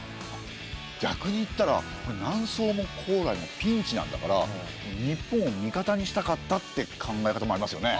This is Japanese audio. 逆にいったら南宋も高麗もピンチなんだから日本を味方にしたかったって考え方もありますよね。